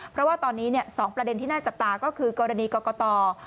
เพราะว่าตอนนี้๒ประเด็นที่น่าจับตาก็คือกรณีกรกต